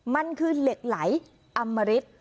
มันคือเหล็กไหลอมริต